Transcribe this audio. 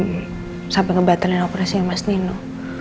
om irfan sampai ngebatalkan operasi mas nino